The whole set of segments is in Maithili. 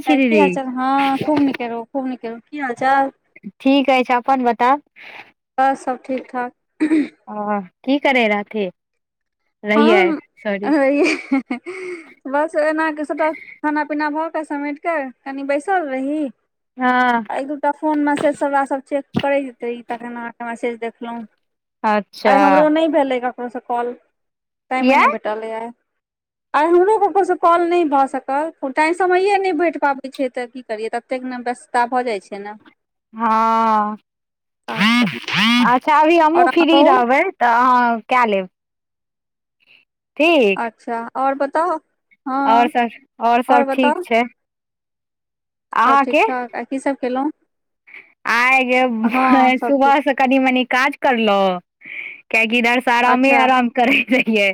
छी की दीदी हाल चाल हँ खूब निके रहूँ खूब निके रहूँ की हाल चाल ठीक अछि छै अपन बताउ त सभ ठीक ठाक ह की करै रहथि रहियै हँ सॉरी [inaudible] बस एना क सभटा खाना पीना भऽ कऽ समेट कऽ कनि बैसल रही हँ एक दूटा फोन मैसेज सबास सभ चेक करै हेते ई तखन अहाँकेँ मैसेज देखलो आइ हमरो अच्छा नहि भेलै ककरोसँ कॉल टाइमे किया ने भेटलै आइ आई हमरो ककरोसँ कॉल नहि भऽ सकल टाईम समयए नहि भेट पाबै छै तऽ क करियै ततेक ने व्यस्तता भऽ जाइ छै ने हँ काज सब अच्छा अभी आओर हमहूँ अहाँ फ्री कहू रहबै त अहाँ कए लेब अच्छा आओर बताउ आओर हँ सब आओर और सब बताउ ठीक छै सब ठीक अहाँके ठाक आ की सभ केलहुँ आइ हँ सब ठीक सुबह से कनि मनी काज करलहु कियैकि दर्श त आरमे अच्छा आराम करैत रहियै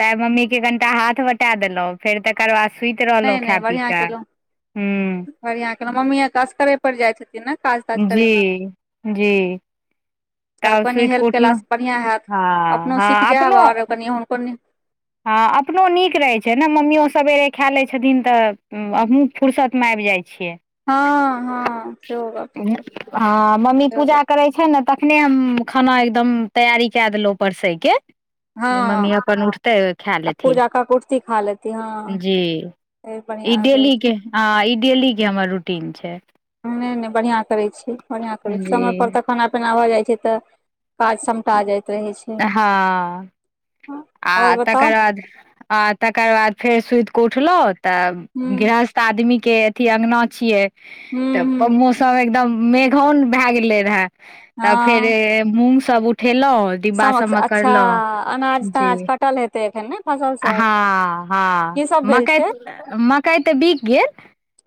तेँ मम्मी केँ कनिटा हाथ बटा देलौन्ह फेर तकर बाद सुति रहलहुँ नहि खा पी केँ हूँ बढ़िया केेलो मम्मी आर त असकरे पर जाय छथिन ने काज ताज जी करयमे जी तऽ तब कनि सुति कऽ हेल्प उठलहुँ केलासँ बढ़िआँ हैत हँ अपनो सीख हँ जायब अपनो [unintelligible] हँ अपनो नीक रहैत छै ने मम्मीयो सवेरे खाय लै छथिन तऽ हमहूँ फुरसत मे आब जाइ छियै हँ हँ सेहो गप ठीक छै ह मम्मी सेहो गप पूजा करै छै ने त अपने हम खाना एकदम तैयारी कए देलहुँं परसे हँ केँ मम्मी अपन उठ तऽ खा आ लेथिन पूजा काकऽ कुर्ती खा लेती हँ जी ई बढ़िआँ करै डेली छी केँ हँ ई डेली केँ हमर रूटीन छै ने ने बढ़िया करै छी बढ़िया करै छी जी समय पर त खाना पीना भ जाइ छै त काज समटा जाइत रहै छै हँ हँ, आ और बताउ तकर बाद आ तकर बाद फेर सुति क उठलो तऽ हूँ गृहस्थ आदमी केँ अथी अगना छिये हूँ त हूँ मौसम एकदम मेघौन भाए गेले रहे तब हँ फेर मूंग सभ उठेलहुँ डिब्बा समक्ष सबमे अच्छा करलहुँ अनाज जी तनाज कटल हेतै एखन ने फसल सब हँ हँ की सब भेल मकैय छै म कई तऽ बिक गेल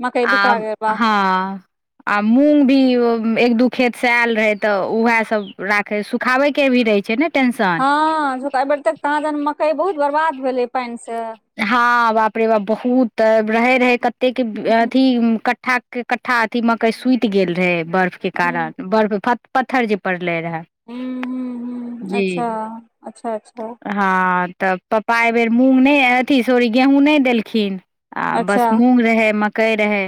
मकई आ बिका गेल बा हँ आ मूँग भी एक दू खेतसँ आयल रहै तऽ उएहसभ राखै सुखाबयके भी रहै छै ने टेंशन हँ झुका बर तक तहाँ तहन मकई बहुत बर्बाद भेलै पायन स हँ बाप रे बाप बहुत रहै रहै कतेक अथी कट्ठा के कट्ठा अथी मकइ सुति गेल रहै बर्फ के हूँ कारण बर्फ पत्थर जे पड़लै रहए हू हू हू अच्छा अच्छा अच्छा हँ तऽ पप्पा एहिबेर मूँग नहि अथी सोरी गेहूँ नहि देलखिन आ अच्छा बस मूँग रहै मकई रहै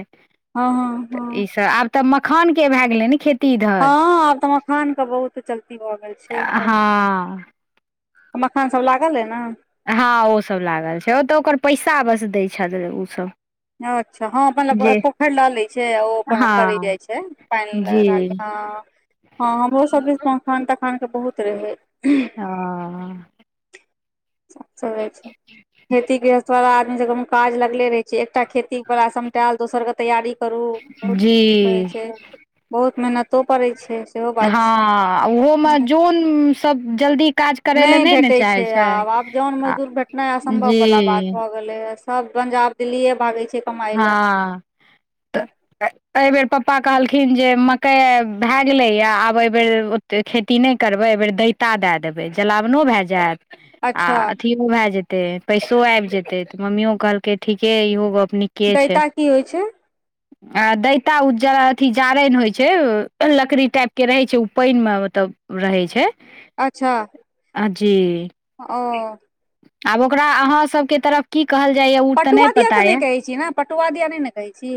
हँ हँ हँ ईसभ आब तऽ मखान के भए गेलै नि खित हँ आब तऽ मखान के बहुत चलती भऽ गेल छै बढ़िआं हँ मखान सब लागल अइ न हँ ओसभ लागल छै ओ तऽ ओकर पैसा बस दै छथि ओसभ अच्छा हँ मतल जे पोखरि लऽ लै छै ओ अपन करे हँ जाइ छै पायन जी ल हँ हँ हमरोसभ दि मखान तखानके बहुत रहै ह अच्छा खेती गृहस्थी आदमी काज लागले रहै छै एकटा खेती बला समटाएल दोसर के तैयारी करू बहुत जी कहै छै बहुत मेहनतो कड़ै छै सेहो बात छै हँ ओहोमे जन सब जल्दी काज करै लए नै ने चाहे छै जोन आ मजदूर भेटनाइ असम्भव जी बला बात भए गेलै हे सब पंजाब दिल्लीए भागे छै हँ ह तऽ [unintelligible] एहिबेर पप्पा कहलखिन जे मकई भए गेलै या आब एहिबेर ओे खेती नहि करबै एहिबेर दैत क्ता दए देबै जलावनो भए जायत अच्छा अथी अथथि भए जेतै पैसो आबि जेतै तऽ मम्मियो कहलकै ठीके इहो गप्प के छै दैता की होइ छै आ दैता ओ ज अथी जारैनि होइ छै लकड़ी टाइपके रहैत छै ओ पानिमे मतलब रहै छै अच्छा अ जी ओ आब ओकरा अहा सबके तरफ की कहल जाय या उ नहि पटुआ दिया तऽ पता यै कहै छी ने पटुआ दिया नहि ने कहै छी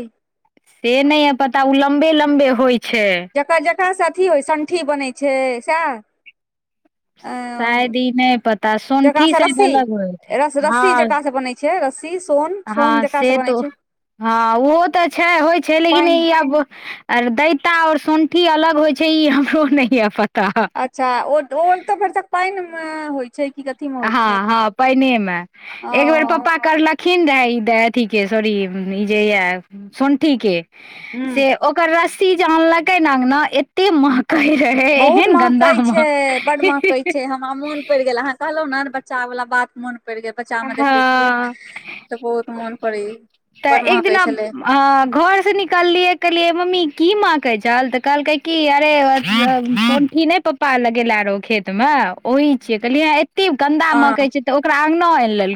से नहि य पता ओ लम्बे लम्बे होइ छै जकर जकरासँ अथी होइ सणठी बनै छै सएह एम शायद ई नहि पता जकरा सोंठी स शायद रस्सी अलग होइत है रस रस्सी हँ चका से बनै छै च रस शी सोन सोन हँ जकाँ से तऽ बनै ओ छै हँ ओहो तऽ छै होइ छै लेकिन पानि ई आब आर दैता और संठी अलग होइ छै ई हमरो नहि ये पता अचा ओ ओतऽ भर सक तक पायन मे हो हँ हँ पायने मे ओ एक बेर पप्पा करलक िन अथी के सरी ई जे य सन्ठी के हूँ से ओकर रस्सी जे अनलकै नें अंगना एते मह कहि रहे बहुत एहन गन्दा महकै हम छै कहलहु न त बच्चा वला बात मोन पड़ि गेल बच्चा मे देखैत छियै हँ तऽ बहुत मन पड़ैया तऽ बड़ एक महकै दिना छलै अ घर से निकललियै कहलिये मम्मी ई की माँकै चल तऽ कहलकै की अरे ई नहि पप्पा लगेले रो खेत में ओहि छय कहलियेँ कतेक गन्दा हँ मक छै तऽ ओकरा अंगना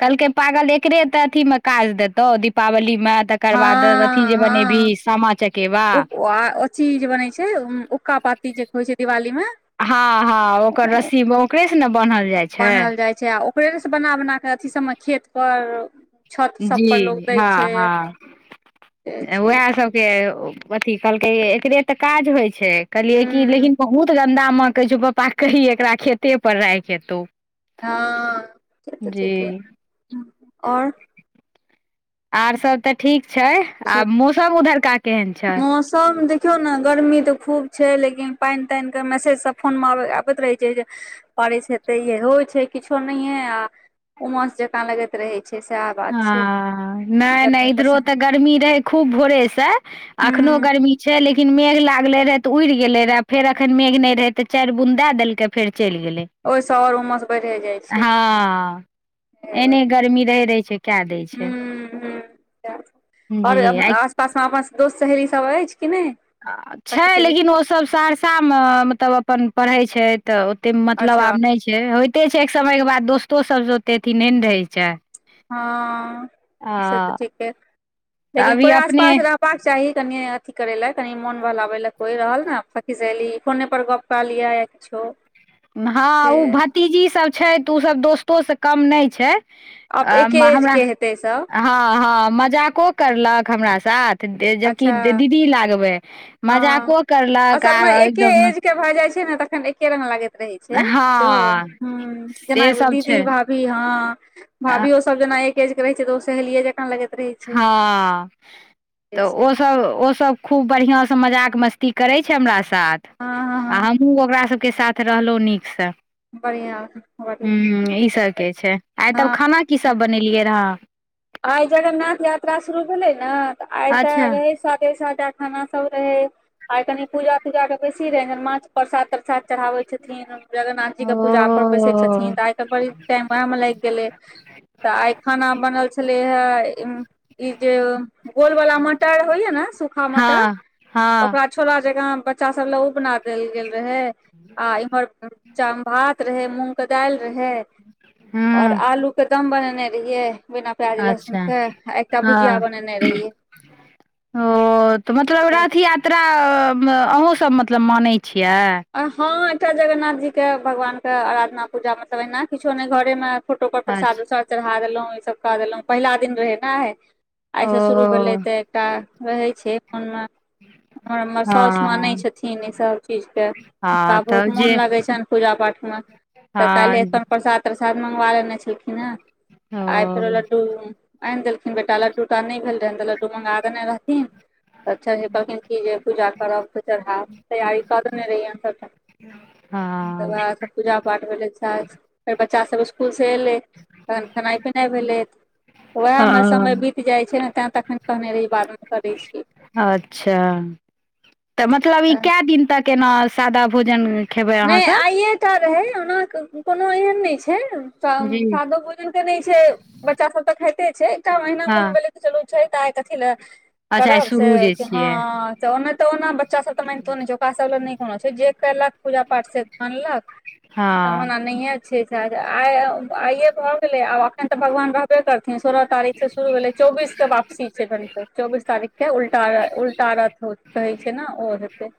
कहलकै पागल एकरे अथ मे काज देतौ दीपावली मे तकर बाद अथी जे हँ हँ बनेबी सामा चकेबा ओ चीज बनै छै उक्का पाती जे होइ छै दिवाली मे हँ हँ ओकर रस्सीद ओकरे से ने बानहल जाय छै बान्हल जाइ छै आ ओकरे नेसँ बना बना कऽ अथिी सभमे खेतपर जी हँ हँ से छै उएह सब से अथी कहलकै एकरे तऽ काज होइ छै कहलिय कि हूँ लेकिन बहुत गन्दा माँ कहै छैौ पप्पा कहहिी एकरा खेते पर राख हेतौ ह ठीक ठ आओर आर सब तऽ ठीक छै आ मौसम उधरका केहन छै मौसम देखियौ ने गर्मी तऽ खूब छै लेकिन पानि तानिके मैसेज सब फोनमे आबैत रहै छै जे पड़ै छै तऽ इ होइ छै किछो नहिे आ उमस जकाँ लगैत रहै छै से आब हँ नहि नहि इधरो तऽ गर्मी रहे खूब भोरे से हूँ अखनो गर्मी छै लेकिन मेघ लागलै रहै तऽ उड़ि गेलै रहै फेर एखन मेघ नहि रहै तऽ चारि बुन दए देलकै फेर चलि गेलै ओहिसँ आओर उमस बढ़े जाइ छै हँ एने गर्मी रहे रहै छै कए दै ह छै ह आओर जी आसपास मे दोस्त सहेलरी सब अछि कि नहि छै सखी सहेली लेकिन ओसभ सहरसामे मतलब अपन पढ़ैत छथि तऽ ओतेक मतलब अच्छा आब नहि छै होइते छै एक समयके बाद दोस्तो सभसँ ओतेक अथी नहि ने रहै छै हँे तऽ आ ठीक है तऽ लेकिन अभी कोइ अपने आसपास रह बाक चाही कनि अथी करे ले कनि मोन भहलाबे ले कोई रहल ने सखी सहेली फोनेपर गप पा लिअ या किछो हँ से ओ भतीजी सब छै तऽ ओ सब दोस्तो से कम नहि छै आब हँ एके एज के हेतै सब हँ मजाको करलक हमरा साथ तऽ जबकि अच्छा दीदी लागबै हँ मजाको करलक आ असलमे एके एकदम एज भए जाइ छै ने तखन एके रङंगग लगे रहै छै सेहो हँ ह जेना से एो सब दीदी छै भाभी हँ आ, भाभियो सब जेना एकज के रहे छै तऽ ओ सहेलियय जकाँ लगैत रहै छै हँ से तऽ छै ओ सब ओ सब खूब बढ़िऑं से मजाक मस्ती करै छै हमरा साथ हँ हँ आ हँ हम ओकरा सबके साथ रहलहुँ नीकसँ बढ़िआँ बढ़िआँ ह ईसभके छै आइ तब हँ खाना की सब बनेलियै रह आइ जगन्नाथ यात्रा शुरू भेले ने आइ ते अच्छा रहे सादे सादा खाना सब रहे आर कनि पूजा तूजा के बेसी रहे माछ परसाद तरसाद चढ़ाबै छथिन जगन्नाथजीके पूजापर बैसैत छथिन ओ तऽ आइ कालहि बड़ी टाइम उएहमे लागि गेलै त आइ खाना बनल छै ई जे गोल वाला मटर होइया ने सूखा मटर हँ हँ ओकरा छोला जका में बच्चा सब ले उपना देल गेल रहे आ इम्हर च भात रहै मूँगके दालि रहै ओर ह आलू के दम बनेने रहियै बिना बिना प्याज लस्मण अच्छा के आ एकटा भुजिया हँ बनेने रहियै ओ तऽ मतलब तकर बाद रथ यात्रा अहूँसभ मतलब मानैत छियै हँ एहिठाम जगन्नाथ जीके भगवानके अराधना पूजा मतलब एना किछो नहि घरेमे फोटो पर प्रसाद अच्छा उसाद चढ़ा देलहुँ ईसभ कऽ देलहुँ पहिला दिन रहै ने ओ आइसँ शुरू भेलै तऽ एकटा रहैत छै मोनमे आर हमर साउासु मानै हँ छथिन ईसभ चीजके हँ हुका बहुत तब मोन जे लगे छनि पूजा पाठ मे तऽ हँ काल्े अपन प्रसाद प्रसाद मंगवा लेने छलखिन ह आइ फेरो ओ लड्डू आनि देलखिन बेटा, लड्डूटा नहि भेल रहनि तऽ लड्डू मँगा देने रहथिन। तऽ चढ़ेबऽ कहलखिन कि जे पूजा करब तऽ चढ़ेबऽ, तैयारी कऽ देने रहियैनि। हँ तब। पूजा पाठ भेलै, फेर बच्चासभ इसकुलसँ अयलै। तखन खेनाइ पिनाइ भेलै, ओहिमे समय हँ बीतल। जाइ छै ने तैँ, तखन कहने रही, बादमे करै छी। अच्छा, तऽ मतलब ई कए दिन तक एना सादा भोजन? खेबै अहाँ नहि, सब आइए टा रहै। ओना कोनो एहन नहि छै, जी सादो बुझ। मान तऽ नहि छै, बच्चासभ तऽ खाइते छै। एकटा महिना मोन हँ भेलै तऽ चलू छै, तऽ आइ कथी लए? अच्छा आइ करब से शुरू जे कि? हँ। छियै तऽ ओना तऽ बच्चासभ तऽ मानितो नहि छै, ओहिसभके लेल नहि कोनो छै जे कलक। पूजा पाठसँ मानलक हँ तऽ ओ नहिए। अच्छा, आइए भऽ गेलै। आब अखन तऽ भगवान रहबे करतै। सोलह तारीखसँ शुरू भेलै, चौबीसके वापसी छै, चौबीस तारीखके उल्टा रथ। कहै छै ने, ओ हेतै।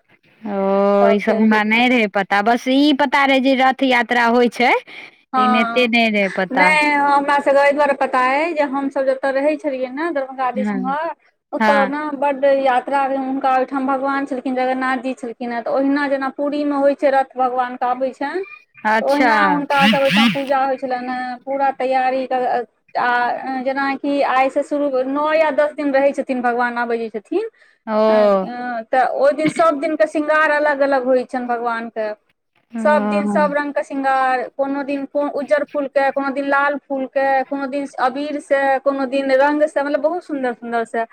ओ ई तब सभ चलि हमरा जेथिन नहि रहै पता, बस ई पता रहै जे रथ यात्रा होइ छै। लेकिन एते हँ, नहि रहे पता नहि हमरा एहि दुआरे पता अय जे हमसभ जते रहै छलियै ने, दरभंगा आदि हँ सिंहर ओते हँ ने। बड्ड यात्रा भेल हुनका ओहिठाम भगवान छलखिन, जगन्नाथजी छलखिन। हँ तऽ, ओहिना जेना पुरीमे होइ छै, रथ भगवानके आबै छै। अच्छा। कतेक सभ ओहिठाम पूजा होइ छलनि हे, पूरा तैयारी। आ जेनाकि आइ सँ शुरू, नौ दस दिन रहैत छथिन, भगवान आबैतैत छथिन। ओ थि आ। तऽ ओहि दिन सभ दिनके श्रृंगार अलग-अलग होइ छनि भगवानके, ओ सभ दिन सभ रंग। श्रृंगार कोनो दिन उज्जर फूलके, कोनो कोनो दिन लाल फूलके, कोनो दिन अबीरसँ, कोनो दिन रंगसँ, मतलब बहुत सुन्दर सुन्दर से।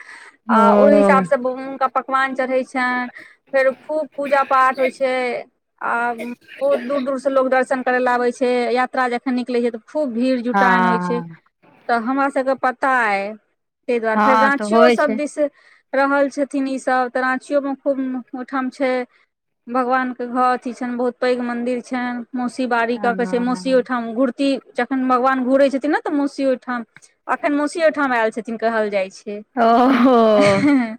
आ ओहि ओ हिसाबसँ कोन पकवान चढ़ै छै? आ फेर खूब पूजा पाठ होइ छै। आब बहुत दूर दूरसँ लोक दर्शन करै लेल आबै छै, यात्रा जखन निकलै छै तऽ खूब भीड़ जुटान होइ छै। हँ तऽ हमरा सभके पता अइ, ताहि दुआरे फेर हँ तऽ राँचियो होइ छै सभ दिस। रहल छथिन, ई सभ तऽ राँचियोमे खूब ओहिठाम छै। भगवानके घर अथी छनि, बहुत पैघ मन्दिर छनि। मौसी बारी कऽके छै, मौसी हँ ओहिठाम घुमत। जखन भगवान घुरै छथिन ने, तऽ मौसी ओहिठाम। अखन मौसी ओहिठाम आयल छथिन, कहल जाइ ओहो छै।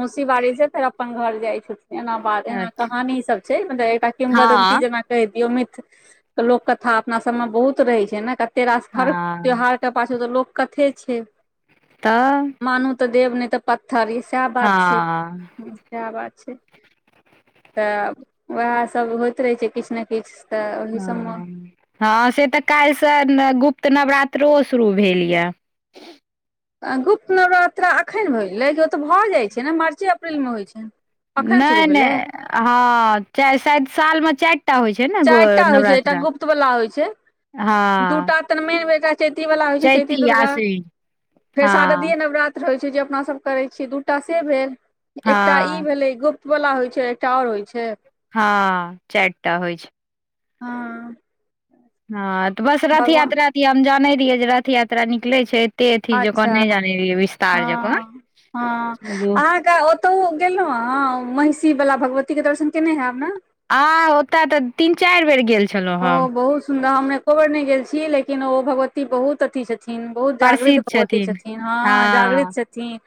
मौसी बारीसँ फेर अपन घर जाइ छथिन। बऽ, एना अच्छा कहानीसभ छै, मतलब एकटा किम्बदन्ती हँ जेना कहि दियौ मिथ। लोककथा अपना सभमे बहुत रहै छै ने, कतेक रास हर हँ त्योहारक। एकटा पाछाँ तऽ लोककथे छै। तऽ मानू तऽ देव, नहि तऽ पत्थर। ई सएह बात छै, हँ सएह बात छै। तऽ वएह सभ होइत रहै छै, किछु ने किछु तऽ। ओहि सबमे हँ हँ, से तऽ काल्हिसँ गुप्त नवरात्रो शुरू भेल यऽ। गुप्त नवरात्रा एखन भऽ गेलै कि? ओ तऽ भऽ जाइत छै ने, मार्च अप्रैलमे होइ छैनि? नहि नहि, हँ, सालमे चारि टा होइ छै। ने गो चारि टा होइ छै, एकटा नवरात्रा गुप्तवला होइ छै, हँ दूटा तऽ मेन एक। चैतीवला होइ छै, चैती दुर्गा, फेर हँ शारदीय नवरात्र। रहै छै जे अपना सभ करै छियै, दूटा से भेल, एकटा ई हँ भेलै गुप्त। बला होइ छै, एकटा आओर होइ छै। हँ चारिटा होइ छै हँ हँ तऽ बस रथ भगवान यात्रा तऽ हम जानै रहियै जे रथ यात्रा निकलै छै अथी जकाँ अच्छा नहि जानै रहियै विस्तार जकाँ हँ हँ जो अहाँके ओतहु गेलहुँ हँ महिषी बला भगवतीके दर्शन केने होयब ने आ ओता तऽ तीन चारि बेर गेल छलहुँ हम ओ बहुत सुन्दर हम एको बेर नहि गेल छी लेकिन ओ भगवती बहुत अथी छथिन बहुत जागृत भगवती छथिन हँ जागृत छथिन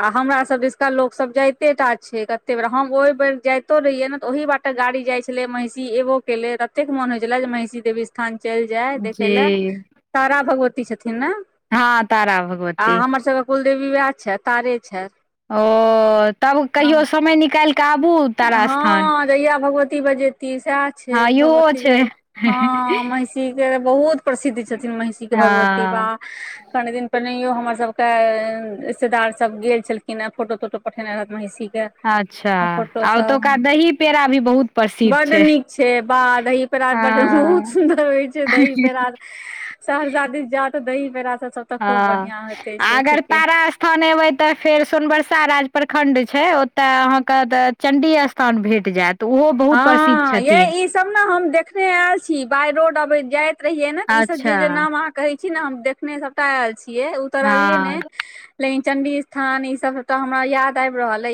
आ हमरा सब दिशका लोकसभ जाइते टा छै कते बेर हम ओहि बेर जाइतो रहियै ने तऽ ओहि बा एकटा गाड़ी जाइ छलै महिषी एबो केेले ततेक मोन होइ छलै जे महिषी देवी स्थान चलि जाय देखै लए जी तारा भगवती छथिन ने हँ तारा आ भगवती हमर सबके कुलदेवी वएह छै तारे छैथ ओ तब कहियो समय निकालि कऽ आबू तारा स्थान हँ जहिया भगवती बजेती सएह छै हँ इहो भगवती छै जे हँ महिषी के बहुत प्रसिद्ध छथिन महिषी के भगवती बाऽ [inaudible] कनि दिन पहिनेहियो हमर सभके रिश्तेदारसभ गेल छलखिन हँ फोटो तोटो पठेने रहथि महिषीके अच्छा फोटो आ सब ओतुका दही पेड़ा भी बहुत प्रसिद्ध बड्ड छै नीक छै बाद पेरा हँ ब [unintelligible] बहुत सुंन्दर होइ छै दही पेरा सहरसा दीस जा तऽ दही पेरा सब तऽ हँ खूब बढ़ियां होते आ छै अगर ठीके तारा स्थान एबै तऽ फेर सोनबरसा राज प्रखण्ड छै ओतऽ अहाँके चण्डी स्थान भेट जायत ओहो बहुत प्रसिद्ध हँ ये छथिन ई सब ने हम देखने आयल छी बाइ रोड अबैत जाइत रहियै ने तऽ ई सब जे अच्छा जे नाम अहाँ कहै छियै ने हम देखने सभटा आयल छियै उतरलियै हँ ने लेकिन चंडी स्थान ई सब सबटा हमरा याद आबि रहल ये